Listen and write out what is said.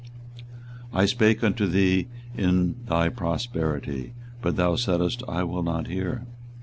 24:022:021 I spake unto thee in thy prosperity; but thou saidst, I will not hear.